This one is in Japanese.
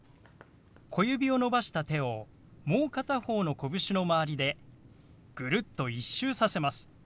小指を伸ばした手をもう片方のこぶしの周りでぐるっと１周させます。